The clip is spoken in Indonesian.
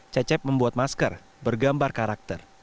cecep membuat masker bergambar karakter